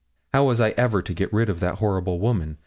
How was I ever to get rid of that horrible woman?